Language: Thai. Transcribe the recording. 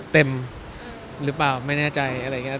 เต็มหรือเปล่าไม่แน่ใจอะไรอย่างนี้